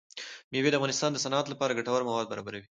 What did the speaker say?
مېوې د افغانستان د صنعت لپاره ګټور مواد برابروي.